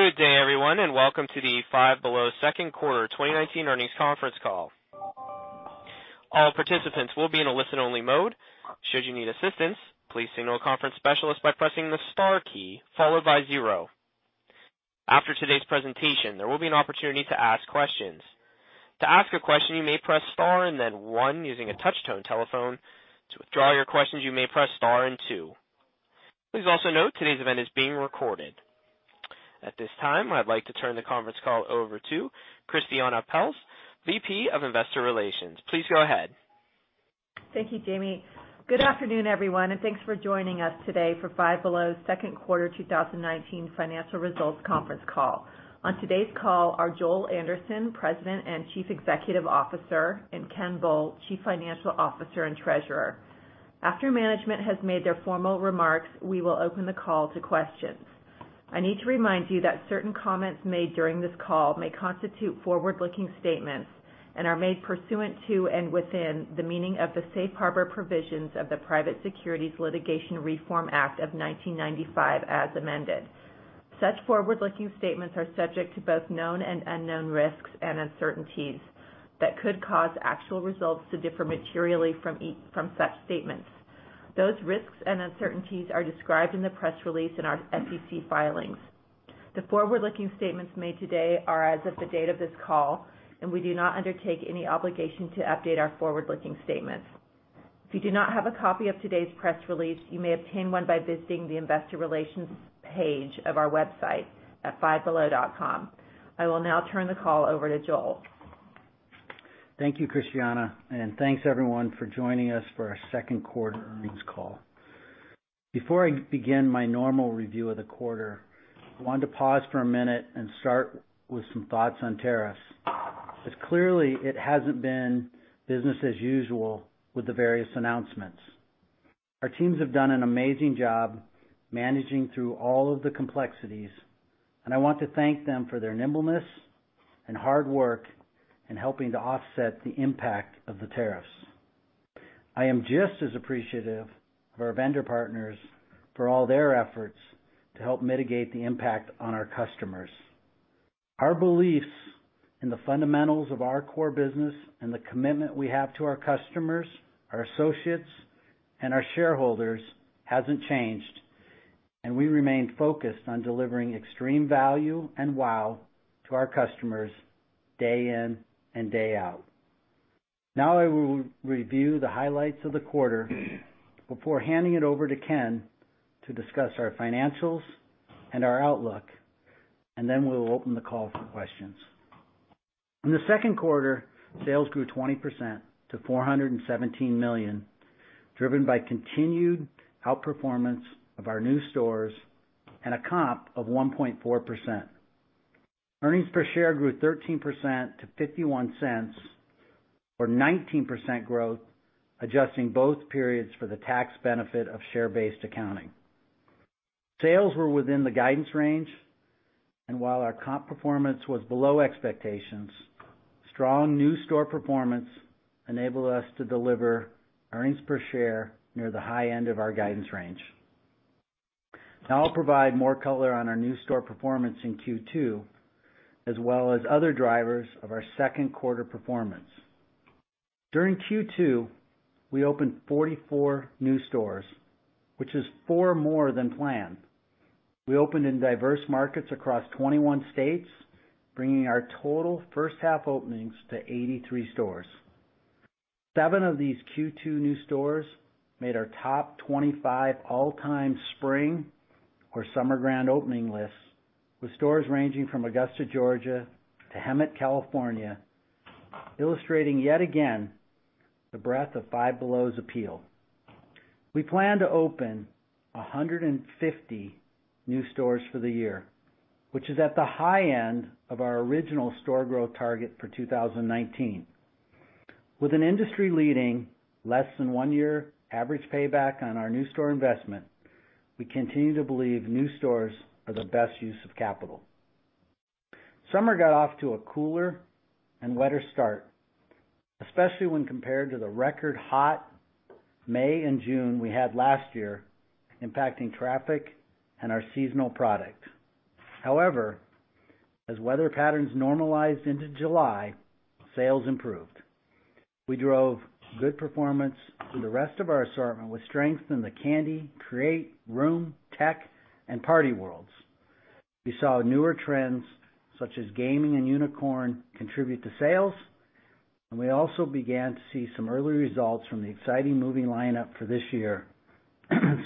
Good day, everyone, and welcome to the Five Below second quarter 2019 earnings conference call. All participants will be in a listen-only mode. Should you need assistance, please signal a conference specialist by pressing the star key followed by zero. After today's presentation, there will be an opportunity to ask questions. To ask a question, you may press star and then one using a touch-tone telephone. To withdraw your questions, you may press star and two. Please also note today's event is being recorded. At this time, I'd like to turn the conference call over to Christiane Pelz, VP of Investor Relations. Please go ahead. Thank you, Jamie. Good afternoon, everyone, and thanks for joining us today for Five Below second quarter 2019 financial results conference call. On today's call are Joel Anderson, President and Chief Executive Officer, and Ken Bull, Chief Financial Officer and Treasurer. After management has made their formal remarks, we will open the call to questions. I need to remind you that certain comments made during this call may constitute forward-looking statements and are made pursuant to and within the meaning of the safe harbor provisions of the Private Securities Litigation Reform Act of 1995 as amended. Such forward-looking statements are subject to both known and unknown risks and uncertainties that could cause actual results to differ materially from such statements. Those risks and uncertainties are described in the press release and in our SEC filings. The forward-looking statements made today are as of the date of this call, and we do not undertake any obligation to update our forward-looking statements. If you do not have a copy of today's press release, you may obtain one by visiting the Investor Relations page of our website at fivebelow.com. I will now turn the call over to Joel. Thank you, Christiane, and thanks, everyone, for joining us for our second quarter earnings call. Before I begin my normal review of the quarter, I wanted to pause for a minute and start with some thoughts on tariffs. As clearly, it hasn't been business as usual with the various announcements. Our teams have done an amazing job managing through all of the complexities, and I want to thank them for their nimbleness and hard work in helping to offset the impact of the tariffs. I am just as appreciative of our vendor partners for all their efforts to help mitigate the impact on our customers. Our beliefs in the fundamentals of our core business and the commitment we have to our customers, our associates, and our shareholders hasn't changed, and we remain focused on delivering extreme value and wow to our customers day in and day out. Now, I will review the highlights of the quarter before handing it over to Ken to discuss our financials and our outlook, and then we'll open the call for questions. In the second quarter, sales grew 20% to $417 million, driven by continued outperformance of our new stores and a comp of 1.4%. Earnings per share grew 13% to $0.51, or 19% growth, adjusting both periods for the tax benefit of share-based accounting. Sales were within the guidance range, and while our comp performance was below expectations, strong new store performance enabled us to deliver earnings per share near the high end of our guidance range. Now, I'll provide more color on our new store performance in Q2, as well as other drivers of our second quarter performance. During Q2, we opened 44 new stores, which is four more than planned. We opened in diverse markets across 21 states, bringing our total first-half openings to 83 stores. Seven of these Q2 new stores made our top 25 all-time spring or summer grand opening lists, with stores ranging from Augusta, Georgia, to Hemet, California, illustrating yet again the breadth of Five Below's appeal. We plan to open 150 new stores for the year, which is at the high end of our original store growth target for 2019. With an industry-leading less-than-one-year average payback on our new store investment, we continue to believe new stores are the best use of capital. Summer got off to a cooler and wetter start, especially when compared to the record hot May and June we had last year, impacting traffic and our seasonal product. However, as weather patterns normalized into July, sales improved. We drove good performance through the rest of our assortment with strength in the candy, create, room, tech, and party worlds. We saw newer trends such as gaming and unicorn contribute to sales, and we also began to see some early results from the exciting movie lineup for this year,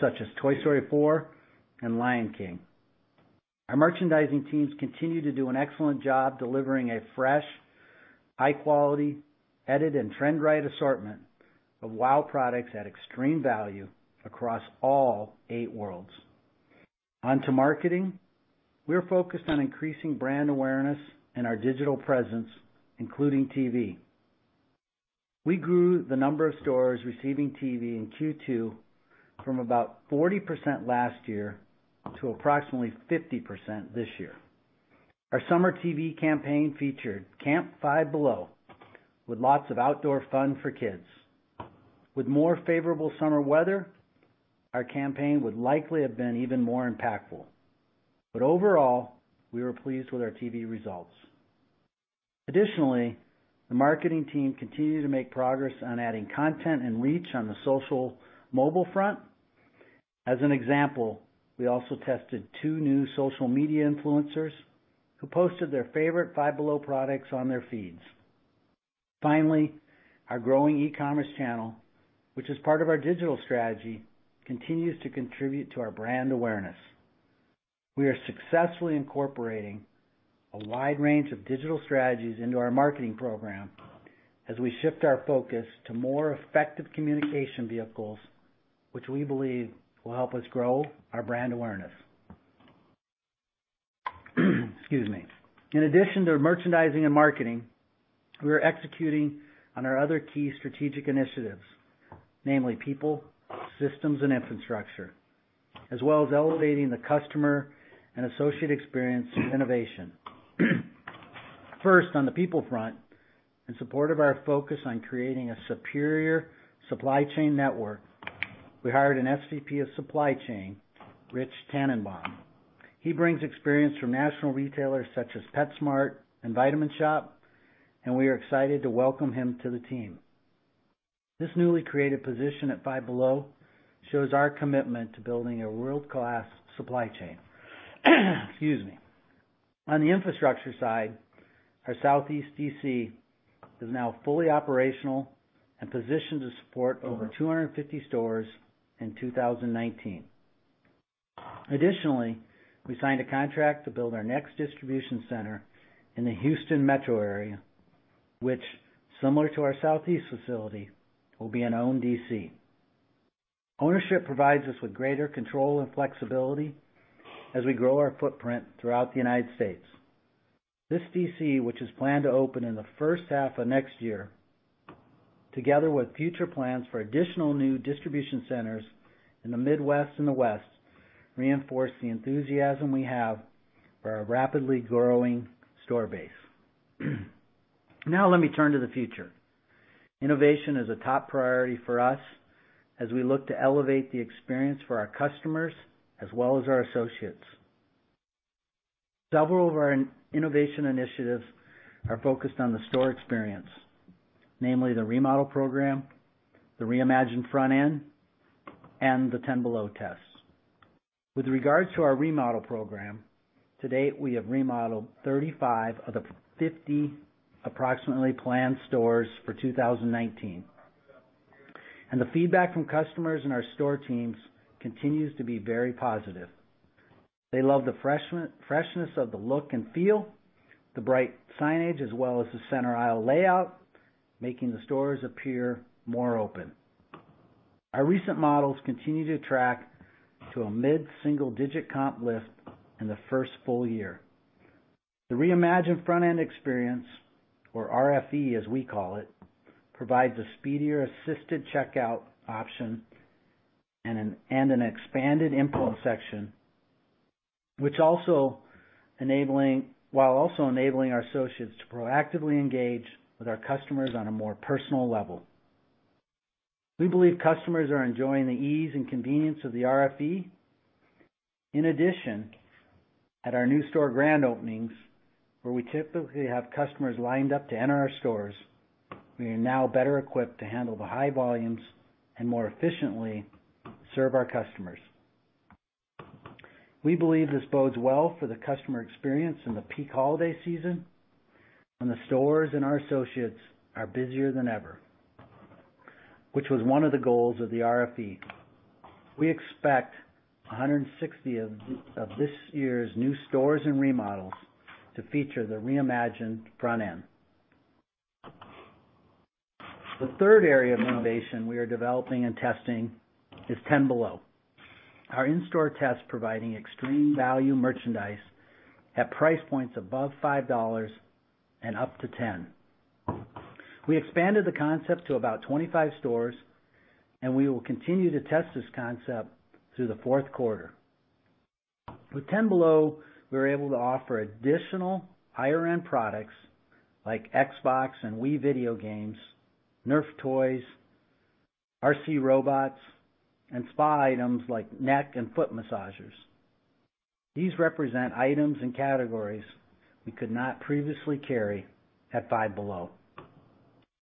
such as Toy Story 4 and Lion King. Our merchandising teams continue to do an excellent job delivering a fresh, high-quality, edited, and trend-right assortment of wow products at extreme value across all eight worlds. Onto marketing, we are focused on increasing brand awareness and our digital presence, including TV. We grew the number of stores receiving TV in Q2 from about 40% last year to approximately 50% this year. Our summer TV campaign featured Camp Five Below, with lots of outdoor fun for kids. With more favorable summer weather, our campaign would likely have been even more impactful. Overall, we were pleased with our TV results. Additionally, the marketing team continued to make progress on adding content and reach on the social mobile front. As an example, we also tested two new social media influencers who posted their favorite Five Below products on their feeds. Finally, our growing e-commerce channel, which is part of our digital strategy, continues to contribute to our brand awareness. We are successfully incorporating a wide range of digital strategies into our marketing program as we shift our focus to more effective communication vehicles, which we believe will help us grow our brand awareness. Excuse me. In addition to merchandising and marketing, we are executing on our other key strategic initiatives, namely people, systems, and infrastructure, as well as elevating the customer and associate experience innovation. First, on the people front, in support of our focus on creating a superior supply chain network, we hired an SVP of supply chain, Rich Tannenbaum. He brings experience from national retailers such as PetSmart and Vitamin Shoppe, and we are excited to welcome him to the team. This newly created position at Five Below shows our commitment to building a world-class supply chain. Excuse me. On the infrastructure side, our Southeast DC is now fully operational and positioned to support over 250 stores in 2019. Additionally, we signed a contract to build our next distribution center in the Houston metro area, which, similar to our Southeast facility, will be an owned DC. Ownership provides us with greater control and flexibility as we grow our footprint throughout the United States. This DC, which is planned to open in the first half of next year, together with future plans for additional new distribution centers in the Midwest and the West, reinforce the enthusiasm we have for our rapidly growing store base. Now, let me turn to the future. Innovation is a top priority for us as we look to elevate the experience for our customers as well as our associates. Several of our innovation initiatives are focused on the store experience, namely the remodel program, the reimagined front end, and the 10 Below tests. With regards to our remodel program, to date, we have remodeled 35 of the 50 approximately planned stores for 2019, and the feedback from customers and our store teams continues to be very positive. They love the freshness of the look and feel, the bright signage, as well as the center aisle layout, making the stores appear more open. Our recent models continue to track to a mid-single-digit comp lift in the first full year. The reimagined front end experience, or RFE as we call it, provides a speedier assisted checkout option and an expanded info section, which also enables our associates to proactively engage with our customers on a more personal level. We believe customers are enjoying the ease and convenience of the RFE. In addition, at our new store grand openings, where we typically have customers lined up to enter our stores, we are now better equipped to handle the high volumes and more efficiently serve our customers. We believe this bodes well for the customer experience in the peak holiday season when the stores and our associates are busier than ever, which was one of the goals of the RFE. We expect 160 of this year's new stores and remodels to feature the reimagined front end. The third area of innovation we are developing and testing is 10 Below, our in-store test providing extreme value merchandise at price points above $5 and up to $10. We expanded the concept to about 25 stores, and we will continue to test this concept through the fourth quarter. With 10 Below, we're able to offer additional higher-end products like Xbox and Wii video games, Nerf toys, RC robots, and spa items like neck and foot massagers. These represent items and categories we could not previously carry at Five Below,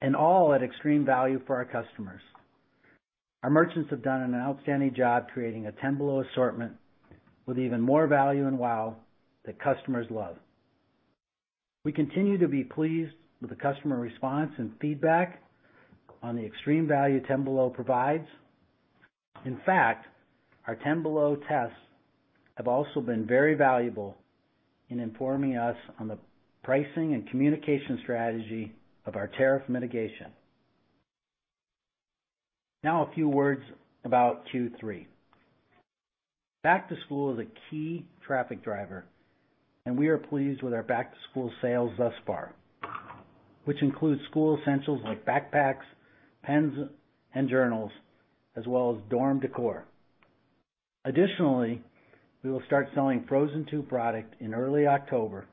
and all at extreme value for our customers. Our merchants have done an outstanding job creating a 10 Below assortment with even more value and wow that customers love. We continue to be pleased with the customer response and feedback on the extreme value 10 Below provides. In fact, our 10 Below tests have also been very valuable in informing us on the pricing and communication strategy of our tariff mitigation. Now, a few words about Q3. Back to school is a key traffic driver, and we are pleased with our back to school sales thus far, which includes school essentials like backpacks, pens, and journals, as well as dorm decor. Additionally, we will start selling frozen tube product in early October,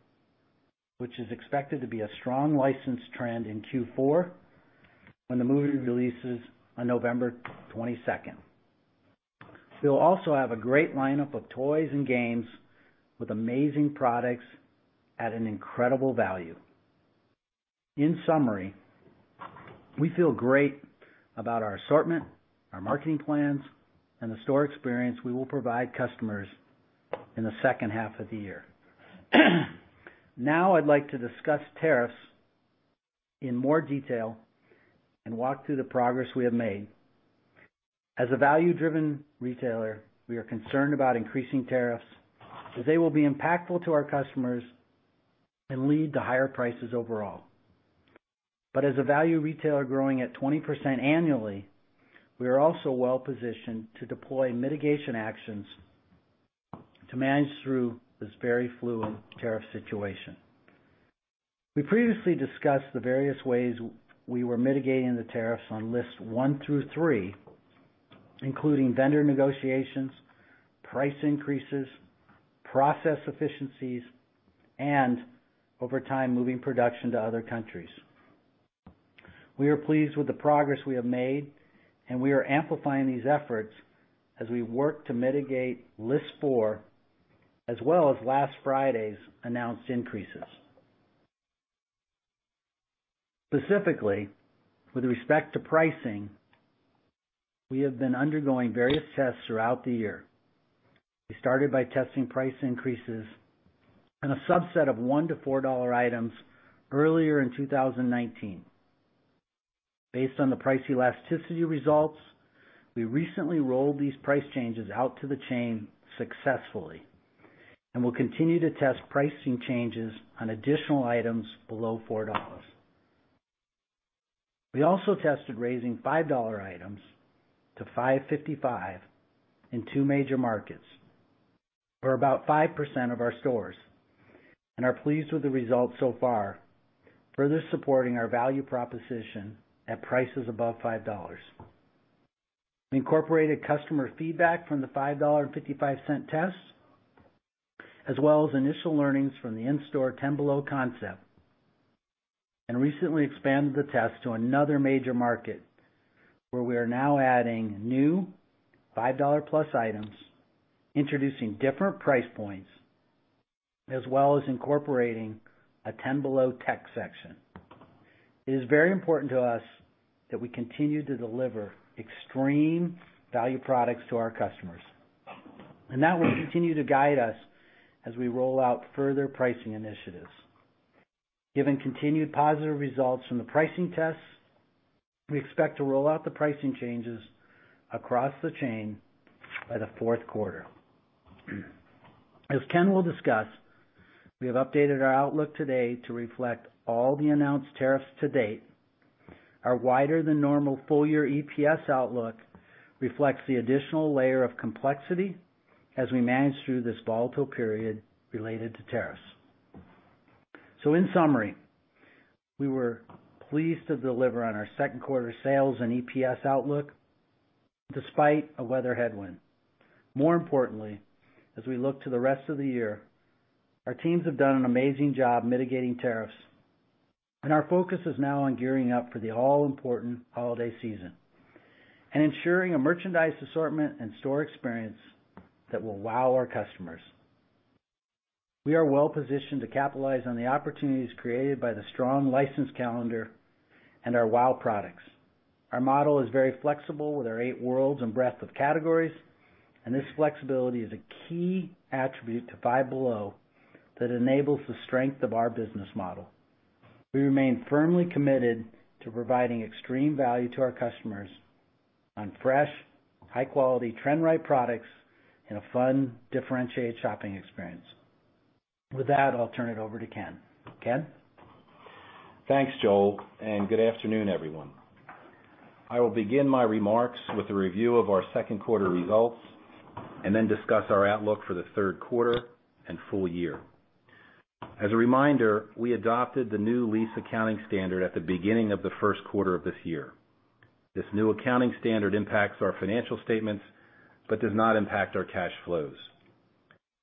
which is expected to be a strong license trend in Q4 when the movie releases on November 22nd. We'll also have a great lineup of toys and games with amazing products at an incredible value. In summary, we feel great about our assortment, our marketing plans, and the store experience we will provide customers in the second half of the year. Now, I'd like to discuss tariffs in more detail and walk through the progress we have made. As a value-driven retailer, we are concerned about increasing tariffs as they will be impactful to our customers and lead to higher prices overall. As a value retailer growing at 20% annually, we are also well-positioned to deploy mitigation actions to manage through this very fluid tariff situation. We previously discussed the various ways we were mitigating the tariffs on lists one through three, including vendor negotiations, price increases, process efficiencies, and over time, moving production to other countries. We are pleased with the progress we have made, and we are amplifying these efforts as we work to mitigate list four, as well as last Friday's announced increases. Specifically, with respect to pricing, we have been undergoing various tests throughout the year. We started by testing price increases on a subset of $1-$4 items earlier in 2019. Based on the price elasticity results, we recently rolled these price changes out to the chain successfully and will continue to test pricing changes on additional items below $4. We also tested raising $5 items to $5.55 in two major markets, or about 5% of our stores, and are pleased with the results so far, further supporting our value proposition at prices above $5. We incorporated customer feedback from the $5.55 test, as well as initial learnings from the in-store 10 Below concept, and recently expanded the test to another major market where we are now adding new $5 plus items, introducing different price points, as well as incorporating a 10 Below tech section. It is very important to us that we continue to deliver extreme value products to our customers, and that will continue to guide us as we roll out further pricing initiatives. Given continued positive results from the pricing tests, we expect to roll out the pricing changes across the chain by the fourth quarter. As Ken will discuss, we have updated our outlook today to reflect all the announced tariffs to date. Our wider-than-normal full-year EPS outlook reflects the additional layer of complexity as we manage through this volatile period related to tariffs. In summary, we were pleased to deliver on our second quarter sales and EPS outlook despite a weather headwind. More importantly, as we look to the rest of the year, our teams have done an amazing job mitigating tariffs, and our focus is now on gearing up for the all-important holiday season and ensuring a merchandise assortment and store experience that will wow our customers. We are well-positioned to capitalize on the opportunities created by the strong license calendar and our wow products. Our model is very flexible with our eight worlds and breadth of categories, and this flexibility is a key attribute to Five Below that enables the strength of our business model. We remain firmly committed to providing extreme value to our customers on fresh, high-quality, trend-right products and a fun, differentiated shopping experience. With that, I'll turn it over to Ken. Ken. Thanks, Joel, and good afternoon, everyone. I will begin my remarks with a review of our second quarter results and then discuss our outlook for the third quarter and full year. As a reminder, we adopted the new lease accounting standard at the beginning of the first quarter of this year. This new accounting standard impacts our financial statements but does not impact our cash flows.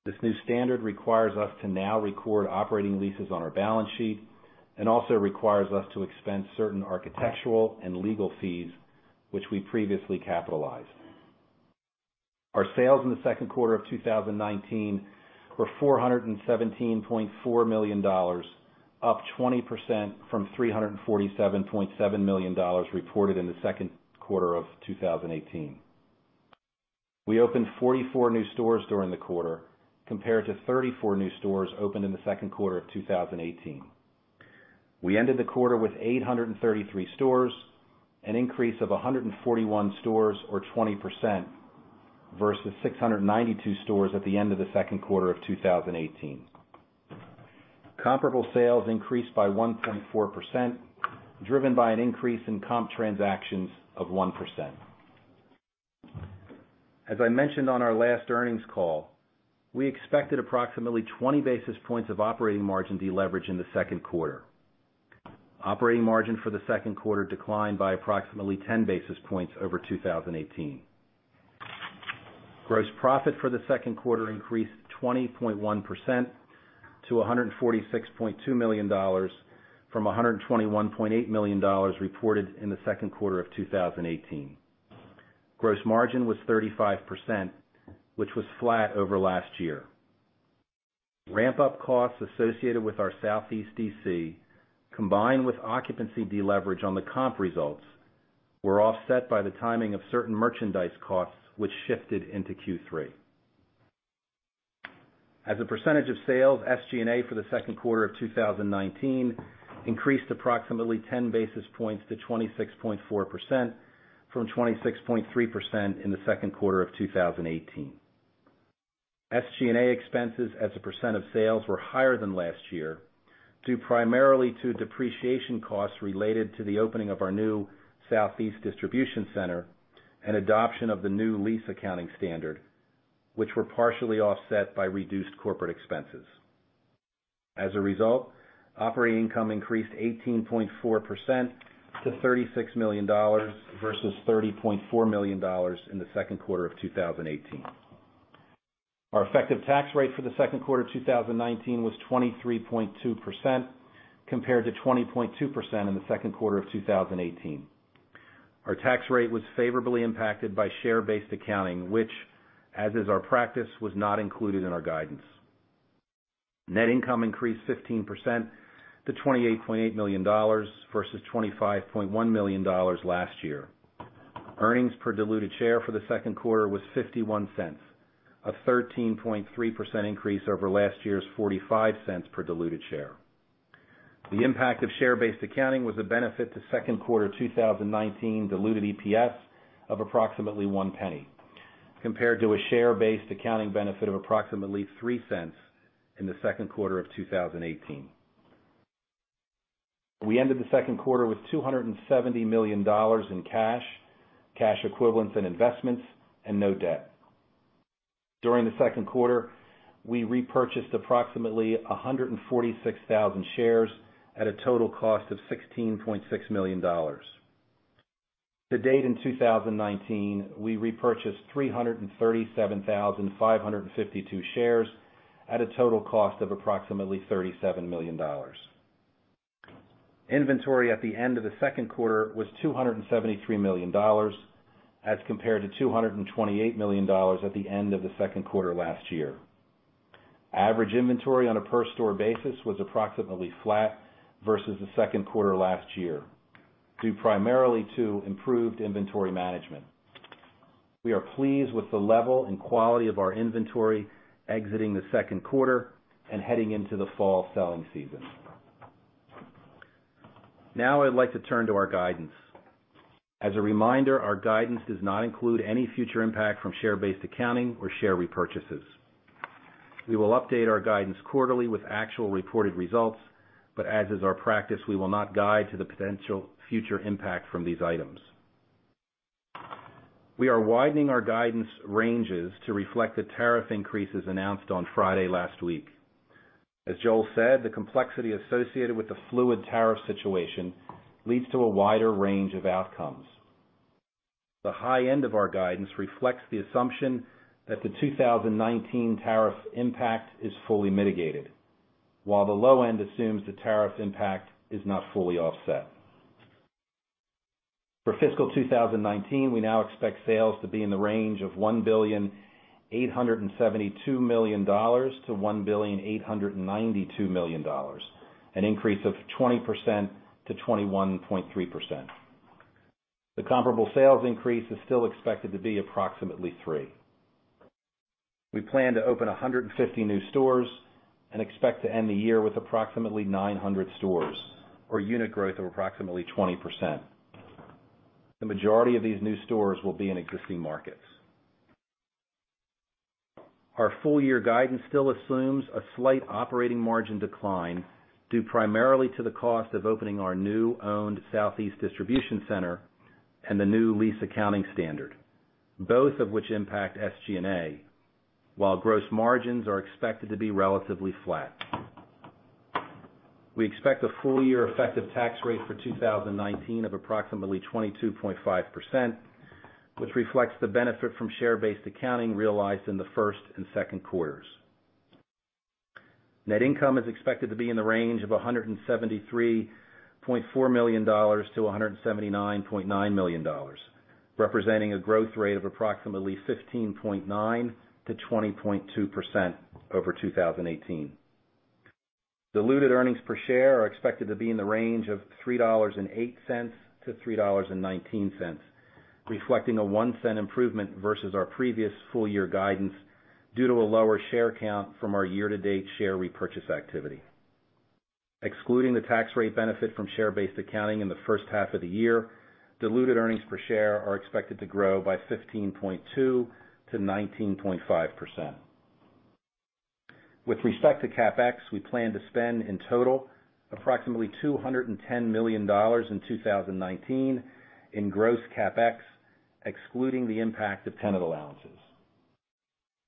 This new standard requires us to now record operating leases on our balance sheet and also requires us to expense certain architectural and legal fees, which we previously capitalized. Our sales in the second quarter of 2019 were $417.4 million, up 20% from $347.7 million reported in the second quarter of 2018. We opened 44 new stores during the quarter, compared to 34 new stores opened in the second quarter of 2018. We ended the quarter with 833 stores, an increase of 141 stores, or 20%, versus 692 stores at the end of the second quarter of 2018. Comparable sales increased by 1.4%, driven by an increase in comp transactions of 1%. As I mentioned on our last earnings call, we expected approximately 20 basis points of operating margin deleveraged in the second quarter. Operating margin for the second quarter declined by approximately 10 basis points over 2018. Gross profit for the second quarter increased 20.1% to $146.2 million from $121.8 million reported in the second quarter of 2018. Gross margin was 35%, which was flat over last year. Ramp-up costs associated with our Southeast DC, combined with occupancy deleverage on the comp results, were offset by the timing of certain merchandise costs, which shifted into Q3. As a percentage of sales, SG&A for the second quarter of 2019 increased approximately 10 basis points to 26.4% from 26.3% in the second quarter of 2018. SG&A expenses as a percent of sales were higher than last year due primarily to depreciation costs related to the opening of our new Southeast distribution center and adoption of the new lease accounting standard, which were partially offset by reduced corporate expenses. As a result, operating income increased 18.4% to $36 million versus $30.4 million in the second quarter of 2018. Our effective tax rate for the second quarter of 2019 was 23.2% compared to 20.2% in the second quarter of 2018. Our tax rate was favorably impacted by share-based accounting, which, as is our practice, was not included in our guidance. Net income increased 15% to $28.8 million versus $25.1 million last year. Earnings per diluted share for the second quarter was $0.51, a 13.3% increase over last year's $0.45 per diluted share. The impact of share-based accounting was a benefit to second quarter 2019 diluted EPS of approximately $0.01, compared to a share-based accounting benefit of approximately $0.03 in the second quarter of 2018. We ended the second quarter with $270 million in cash, cash equivalents, and investments, and no debt. During the second quarter, we repurchased approximately 146,000 shares at a total cost of $16.6 million. To date in 2019, we repurchased 337,552 shares at a total cost of approximately $37 million. Inventory at the end of the second quarter was $273 million, as compared to $228 million at the end of the second quarter last year. Average inventory on a per-store basis was approximately flat versus the second quarter last year, due primarily to improved inventory management. We are pleased with the level and quality of our inventory exiting the second quarter and heading into the fall selling season. Now, I'd like to turn to our guidance. As a reminder, our guidance does not include any future impact from share-based accounting or share repurchases. We will update our guidance quarterly with actual reported results, but as is our practice, we will not guide to the potential future impact from these items. We are widening our guidance ranges to reflect the tariff increases announced on Friday last week. As Joel said, the complexity associated with the fluid tariff situation leads to a wider range of outcomes. The high end of our guidance reflects the assumption that the 2019 tariff impact is fully mitigated, while the low end assumes the tariff impact is not fully offset. For fiscal 2019, we now expect sales to be in the range of $1,872 million-$1,892 million, an increase of 20%-21.3%. The comparable sales increase is still expected to be approximately 3%. We plan to open 150 new stores and expect to end the year with approximately 900 stores, or unit growth of approximately 20%. The majority of these new stores will be in existing markets. Our full-year guidance still assumes a slight operating margin decline due primarily to the cost of opening our new owned Southeast distribution center and the new lease accounting standard, both of which impact SG&A, while gross margins are expected to be relatively flat. We expect a full-year effective tax rate for 2019 of approximately 22.5%, which reflects the benefit from share-based accounting realized in the first and second quarters. Net income is expected to be in the range of $173.4 million-$179.9 million, representing a growth rate of approximately 15.9%-20.2% over 2018. Diluted earnings per share are expected to be in the range of $3.08-$3.19, reflecting a 1-cent improvement versus our previous full-year guidance due to a lower share count from our year-to-date share repurchase activity. Excluding the tax rate benefit from share-based accounting in the first half of the year, diluted earnings per share are expected to grow by 15.2%-19.5%. With respect to CapEx, we plan to spend in total approximately $210 million in 2019 in gross CapEx, excluding the impact of tenant allowances.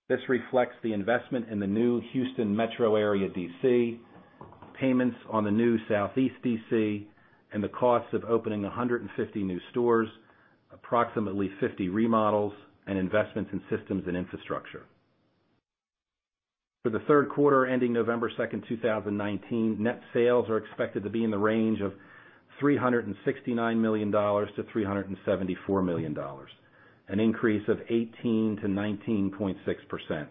This reflects the investment in the new Houston metro area DC, payments on the new Southeast DC, and the costs of opening 150 new stores, approximately 50 remodels, and investments in systems and infrastructure. For the third quarter ending November 2, 2019, net sales are expected to be in the range of $369 million-$374 million, an increase of 18%-19.6%.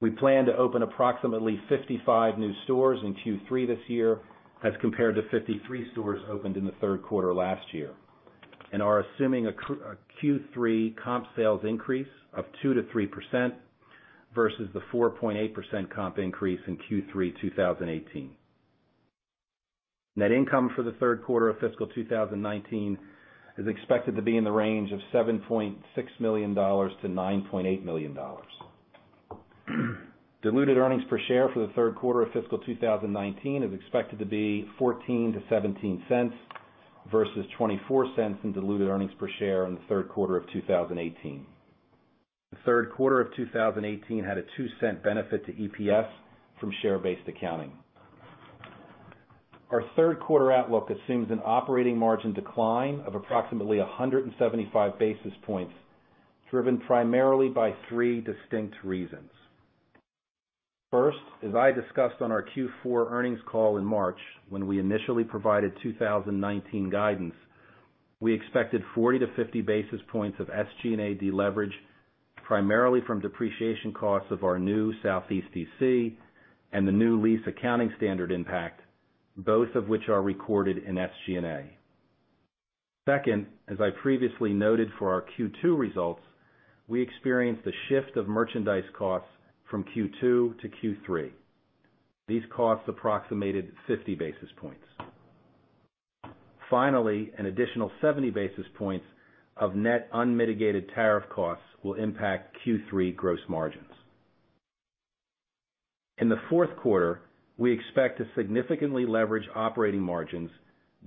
We plan to open approximately 55 new stores in Q3 this year, as compared to 53 stores opened in the third quarter last year, and are assuming a Q3 comp sales increase of 2%-3% versus the 4.8% comp increase in Q3 2018. Net income for the third quarter of fiscal 2019 is expected to be in the range of $7.6 million-$9.8 million. Diluted earnings per share for the third quarter of fiscal 2019 is expected to be $0.14-$0.17 versus $0.24 in diluted earnings per share in the third quarter of 2018. The third quarter of 2018 had a $0.02 benefit to EPS from share-based accounting. Our third quarter outlook assumes an operating margin decline of approximately 175 basis points, driven primarily by three distinct reasons. First, as I discussed on our Q4 earnings call in March when we initially provided 2019 guidance, we expected 40-50 basis points of SG&A deleverage, primarily from depreciation costs of our new Southeast DC and the new lease accounting standard impact, both of which are recorded in SG&A. Second, as I previously noted for our Q2 results, we experienced a shift of merchandise costs from Q2 to Q3. These costs approximated 50 basis points. Finally, an additional 70 basis points of net unmitigated tariff costs will impact Q3 gross margins. In the fourth quarter, we expect to significantly leverage operating margins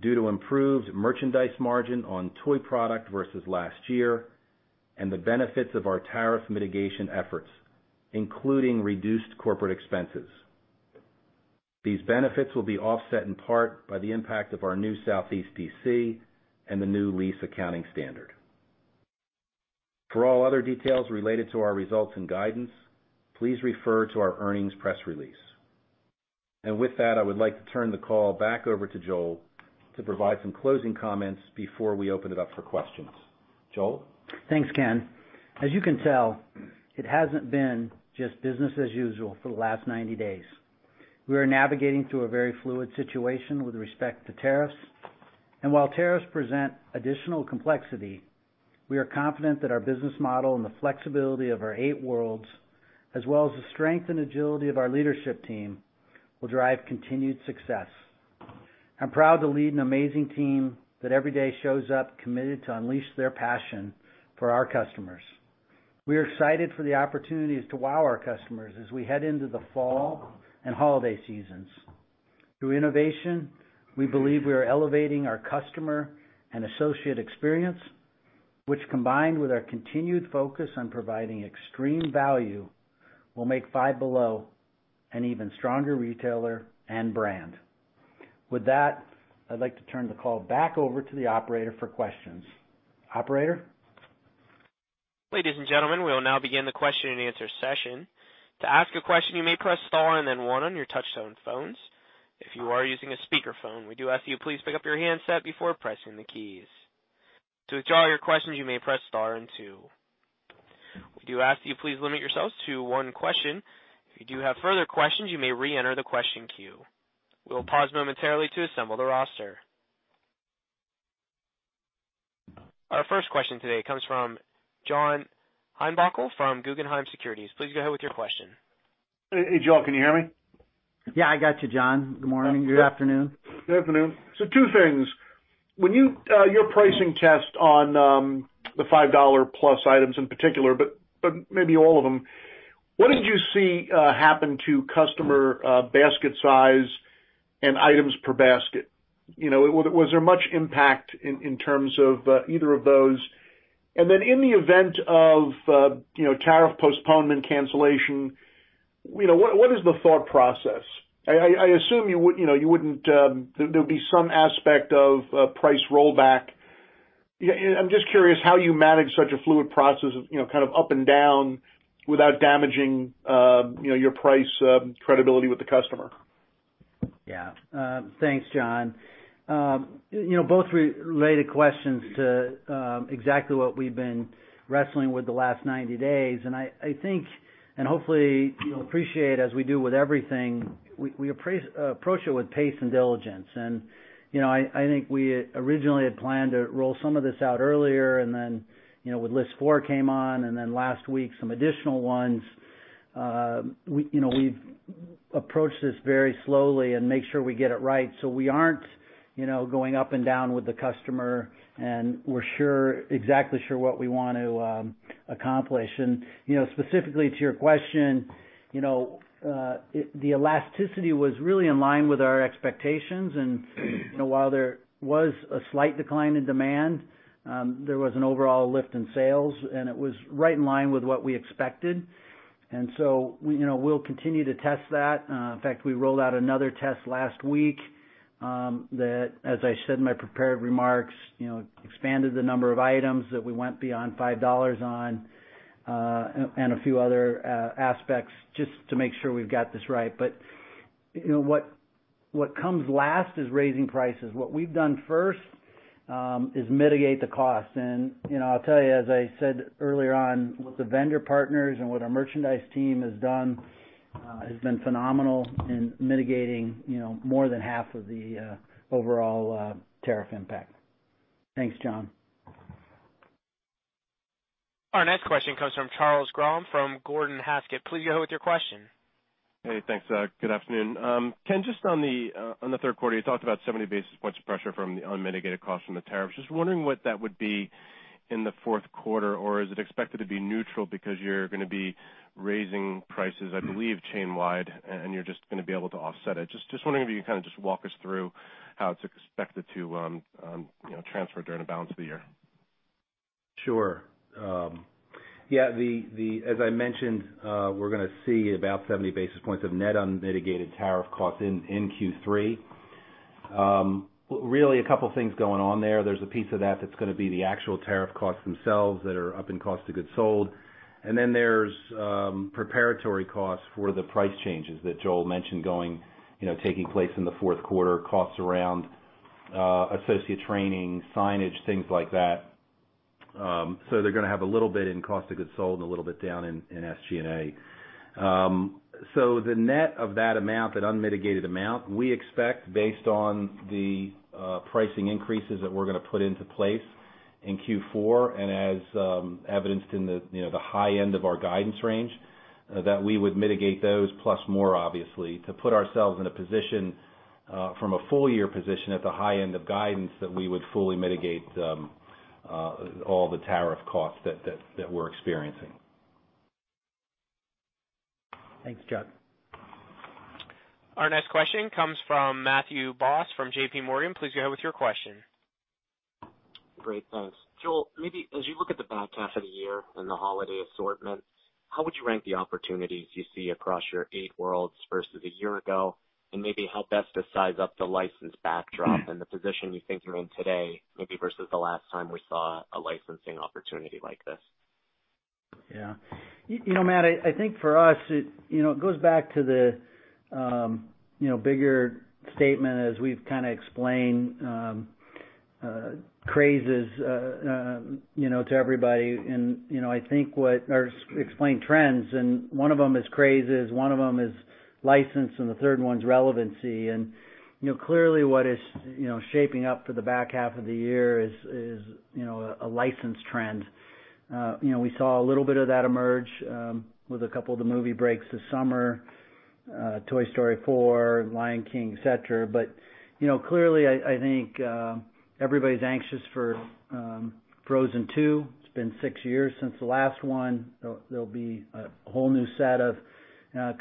due to improved merchandise margin on toy product versus last year and the benefits of our tariff mitigation efforts, including reduced corporate expenses. These benefits will be offset in part by the impact of our new Southeast DC and the new lease accounting standard. For all other details related to our results and guidance, please refer to our earnings press release. I would like to turn the call back over to Joel to provide some closing comments before we open it up for questions. Joel. Thanks, Ken. As you can tell, it hasn't been just business as usual for the last 90 days. We are navigating through a very fluid situation with respect to tariffs. While tariffs present additional complexity, we are confident that our business model and the flexibility of our eight worlds, as well as the strength and agility of our leadership team, will drive continued success. I'm proud to lead an amazing team that every day shows up committed to unleash their passion for our customers. We are excited for the opportunities to wow our customers as we head into the fall and holiday seasons. Through innovation, we believe we are elevating our customer and associate experience, which, combined with our continued focus on providing extreme value, will make Five Below an even stronger retailer and brand. With that, I'd like to turn the call back over to the operator for questions. Operator. Ladies and gentlemen, we will now begin the question and answer session. To ask a question, you may press star and then one on your touch-tone phones. If you are using a speakerphone, we do ask that you please pick up your handset before pressing the keys. To withdraw your questions, you may press star and two. We do ask that you please limit yourselves to one question. If you do have further questions, you may re-enter the question queue. We'll pause momentarily to assemble the roster. Our first question today comes from John Edward Heinbockel from Guggenheim Securities. Please go ahead with your question. Hey, Joel, can you hear me? Yeah, I got you, John. Good morning. Good afternoon. Good afternoon. Two things. When you did your pricing test on the $5 plus items in particular, but maybe all of them, what did you see happen to customer basket size and items per basket? Was there much impact in terms of either of those? In the event of tariff postponement, cancellation, what is the thought process? I assume you would not—there would be some aspect of price rollback. I am just curious how you manage such a fluid process of kind of up and down without damaging your price credibility with the customer. Yeah. Thanks, John. Both related questions to exactly what we've been wrestling with the last 90 days. I think, and hopefully you'll appreciate it as we do with everything, we approach it with pace and diligence. I think we originally had planned to roll some of this out earlier, and then when list four came on, and then last week some additional ones, we've approached this very slowly and made sure we get it right. We aren't going up and down with the customer, and we're exactly sure what we want to accomplish. Specifically to your question, the elasticity was really in line with our expectations. While there was a slight decline in demand, there was an overall lift in sales, and it was right in line with what we expected. We'll continue to test that. In fact, we rolled out another test last week that, as I said in my prepared remarks, expanded the number of items that we went beyond $5 on and a few other aspects just to make sure we've got this right. What comes last is raising prices. What we've done first is mitigate the cost. I'll tell you, as I said earlier on, with the vendor partners and what our merchandise team has done, it's been phenomenal in mitigating more than half of the overall tariff impact. Thanks, John. Our next question comes from Charles Grom from Gordon Haskett Research Advisors. Please go ahead with your question. Hey, thanks. Good afternoon. Ken, just on the third quarter, you talked about 70 basis points of pressure from the unmitigated cost from the tariffs. Just wondering what that would be in the fourth quarter, or is it expected to be neutral because you're going to be raising prices, I believe, chain-wide, and you're just going to be able to offset it? Just wondering if you can kind of just walk us through how it's expected to transfer during the balance of the year. Sure. Yeah. As I mentioned, we're going to see about 70 basis points of net unmitigated tariff costs in Q3. Really, a couple of things going on there. There's a piece of that that's going to be the actual tariff costs themselves that are up in cost to goods sold. And then there's preparatory costs for the price changes that Joel mentioned taking place in the fourth quarter, costs around associate training, signage, things like that. So they're going to have a little bit in cost to goods sold and a little bit down in SG&A. The net of that amount, that unmitigated amount, we expect, based on the pricing increases that we're going to put into place in Q4, and as evidenced in the high end of our guidance range, that we would mitigate those, plus more, obviously, to put ourselves in a position from a full-year position at the high end of guidance that we would fully mitigate all the tariff costs that we're experiencing. Thanks, Chuck. Our next question comes from Matthew Boss from JPMorgan Chase & Co. Please go ahead with your question. Great. Thanks. Joel, maybe as you look at the back half of the year and the holiday assortment, how would you rank the opportunities you see across your eight worlds versus a year ago? Maybe how best to size up the license backdrop and the position you think you're in today, maybe versus the last time we saw a licensing opportunity like this? Yeah. Matt, I think for us, it goes back to the bigger statement, as we've kind of explained crazes to everybody. I think what or explain trends. One of them is crazes. One of them is license, and the third one's relevancy. Clearly, what is shaping up for the back half of the year is a license trend. We saw a little bit of that emerge with a couple of the movie breaks this summer, Toy Story 4, Lion King, etc. Clearly, I think everybody's anxious for Frozen 2. It's been six years since the last one. There'll be a whole new set of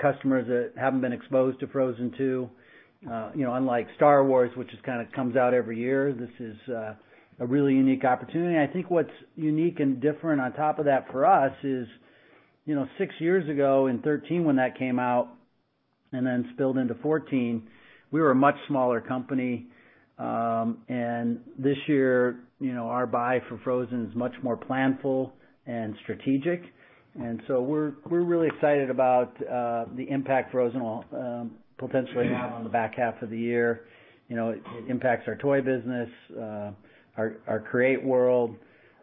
customers that haven't been exposed to Frozen 2. Unlike Star Wars, which just kind of comes out every year, this is a really unique opportunity. I think what's unique and different on top of that for us is six years ago in 2013 when that came out and then spilled into 2014, we were a much smaller company. This year, our buy for Frozen is much more planful and strategic. We are really excited about the impact Frozen will potentially have on the back half of the year. It impacts our toy business, our create world,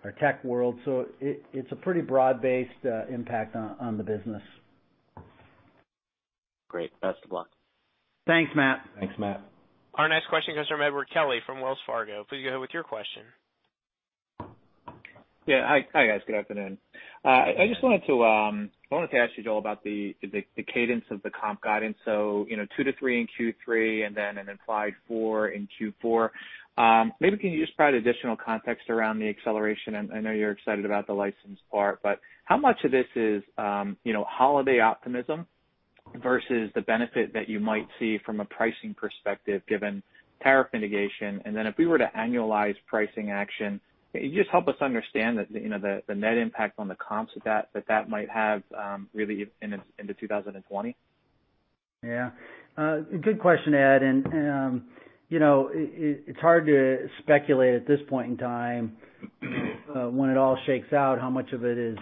our tech world. It is a pretty broad-based impact on the business. Great. Best of luck. Thanks, Matt. Thanks, Matt. Our next question comes from Edward Kelly from Wells Fargo. Please go ahead with your question. Yeah. Hi, guys. Good afternoon. I just wanted to ask you, Joel, about the cadence of the comp guidance. So two to three in Q3 and then an implied four in Q4. Maybe can you just provide additional context around the acceleration? I know you're excited about the license part, but how much of this is holiday optimism versus the benefit that you might see from a pricing perspective given tariff mitigation? And then if we were to annualize pricing action, can you just help us understand the net impact on the comps that that might have really into 2020? Yeah. Good question, Edward. It's hard to speculate at this point in time when it all shakes out how much of it is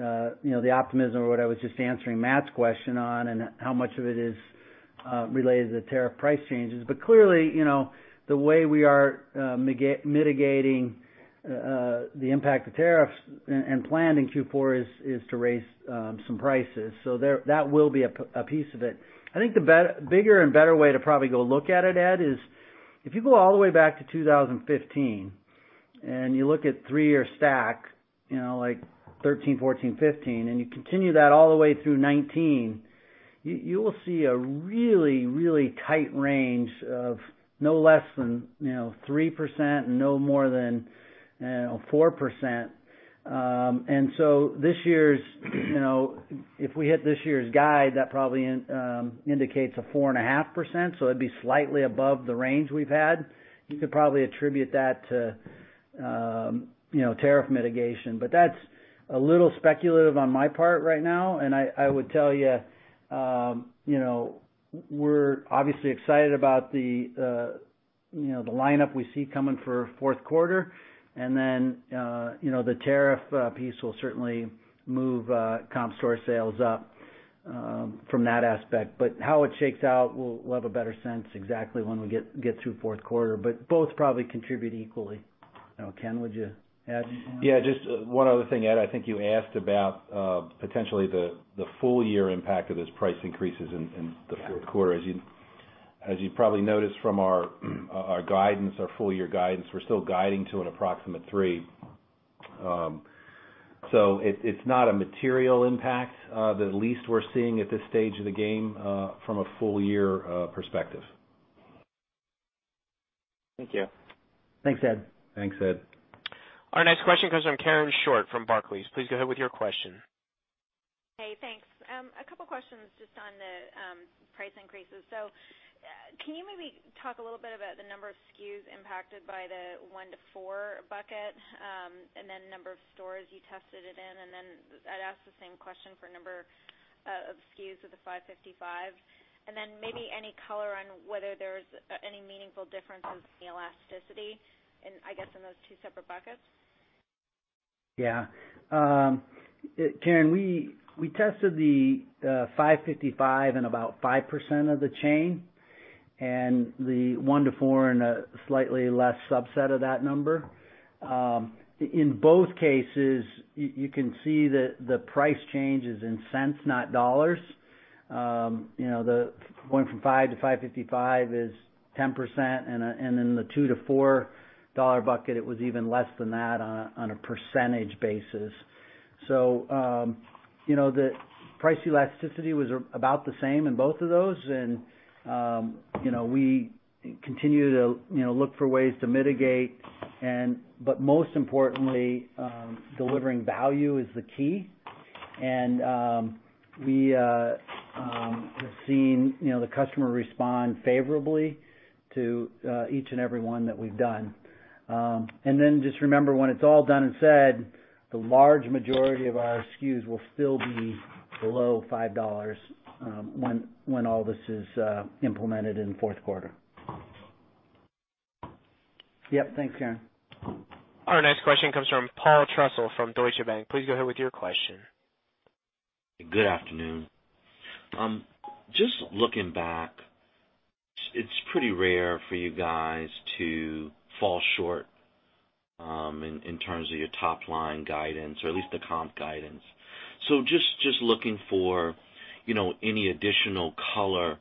the optimism or what I was just answering Matt's question on and how much of it is related to the tariff price changes. Clearly, the way we are mitigating the impact of tariffs and planned in Q4 is to raise some prices. That will be a piece of it. I think the bigger and better way to probably go look at it, Ed, is if you go all the way back to 2015 and you look at three-year stack like 2013, 2014, 2015, and you continue that all the way through 2019, you will see a really, really tight range of no less than 3% and no more than 4%. This year, if we hit this year's guide, that probably indicates a 4.5%. It would be slightly above the range we've had. You could probably attribute that to tariff mitigation. That is a little speculative on my part right now. I would tell you we are obviously excited about the lineup we see coming for fourth quarter. The tariff piece will certainly move comp store sales up from that aspect. How it shakes out, we will have a better sense exactly when we get through fourth quarter. Both probably contribute equally. Ken, would you add anything? Yeah. Just one other thing, Edward. I think you asked about potentially the full-year impact of these price increases in the fourth quarter. As you've probably noticed from our guidance, our full-year guidance, we're still guiding to an approximate 3. So it's not a material impact, the least we're seeing at this stage of the game from a full-year perspective. Thank you. Thanks, Ed. Thanks, Ed. Our next question comes from Karen Short from Barclays. Please go ahead with your question. Hey, thanks. A couple of questions just on the price increases. Can you maybe talk a little bit about the number of SKUs impacted by the one to four bucket and then number of stores you tested it in? I'd ask the same question for number of SKUs of the 555. Maybe any color on whether there's any meaningful differences in the elasticity, I guess, in those two separate buckets? Yeah. Karen, we tested the 555 in about 5% of the chain and the one to four in a slightly less subset of that number. In both cases, you can see that the price change is in cents, not dollars. The one from five to 555 is 10%. In the two to four dollar bucket, it was even less than that on a percentage basis. The price elasticity was about the same in both of those. We continue to look for ways to mitigate. Most importantly, delivering value is the key. We have seen the customer respond favorably to each and every one that we've done. Just remember, when it's all done and said, the large majority of our SKUs will still be below $5 when all this is implemented in the fourth quarter. Yep. Thanks, Karen. Our next question comes from Paul Trussell from Deutsche Bank. Please go ahead with your question. Good afternoon. Just looking back, it's pretty rare for you guys to fall short in terms of your top-line guidance, or at least the comp guidance. Just looking for any additional color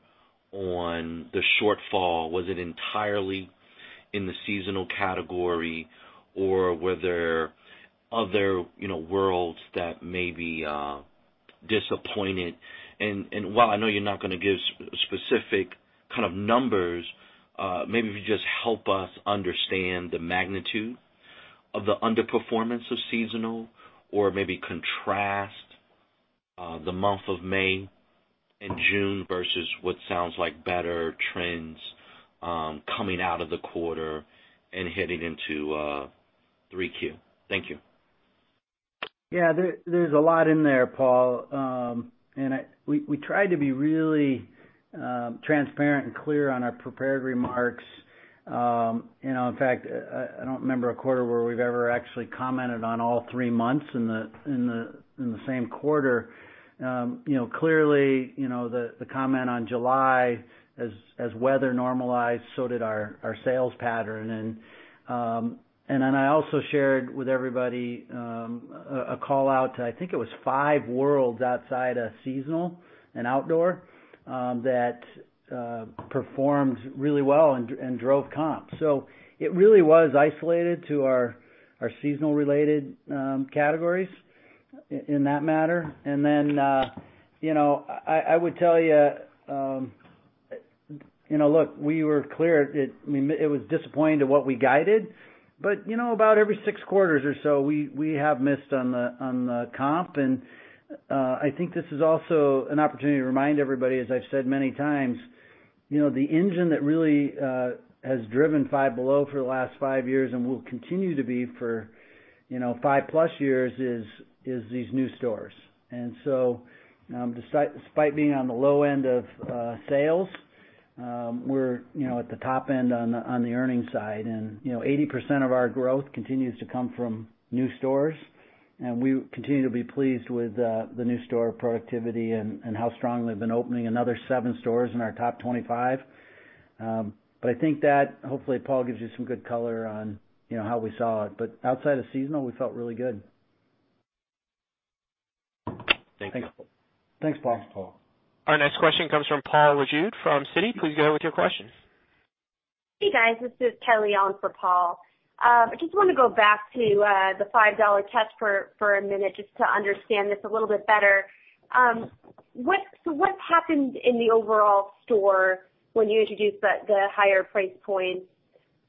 on the shortfall, was it entirely in the seasonal category, or were there other worlds that may be disappointed? While I know you're not going to give specific kind of numbers, maybe if you just help us understand the magnitude of the underperformance of seasonal, or maybe contrast the month of May and June versus what sounds like better trends coming out of the quarter and heading into 3Q. Thank you. Yeah. There's a lot in there, Paul. We tried to be really transparent and clear on our prepared remarks. In fact, I don't remember a quarter where we've ever actually commented on all three months in the same quarter. Clearly, the comment on July, as weather normalized, so did our sales pattern. I also shared with everybody a call out to, I think it was five worlds outside of seasonal and outdoor that performed really well and drove comp. It really was isolated to our seasonal-related categories in that matter. I would tell you, look, we were clear that it was disappointing to what we guided. About every six quarters or so, we have missed on the comp. I think this is also an opportunity to remind everybody, as I've said many times, the engine that really has driven Five Below for the last five years and will continue to be for five-plus years is these new stores. Despite being on the low end of sales, we're at the top end on the earnings side. 80% of our growth continues to come from new stores. We continue to be pleased with the new store productivity and how strong they've been, opening another seven stores in our top 25. I think that hopefully, Paul, gives you some good color on how we saw it. Outside of seasonal, we felt really good. Thanks. Thanks, Paul. Our next question comes from Paul Lejuez from Citi. Please go ahead with your question. Hey, guys. This is Kelly on for Paul. I just want to go back to the $5 test for a minute just to understand this a little bit better. What happened in the overall store when you introduced the higher price point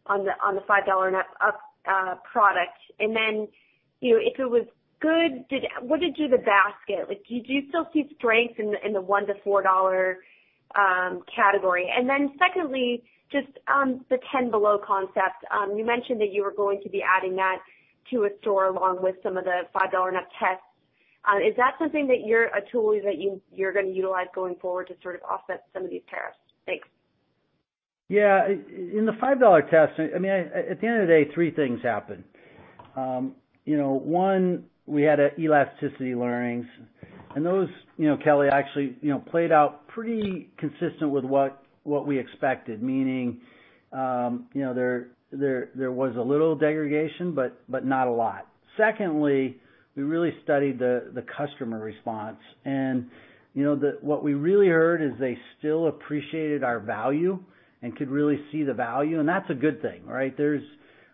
on the $5 and up product? If it was good, what did you do to the basket? Did you still see strength in the $1-$4 category? Secondly, just the 10 Below concept. You mentioned that you were going to be adding that to a store along with some of the $5 and up tests. Is that something that you're a tool that you're going to utilize going forward to sort of offset some of these tariffs? Thanks. Yeah. In the $5 test, I mean, at the end of the day, three things happened. One, we had elasticity learnings. And those, Kelly, actually played out pretty consistent with what we expected, meaning there was a little degradation, but not a lot. Secondly, we really studied the customer response. What we really heard is they still appreciated our value and could really see the value. That is a good thing, right?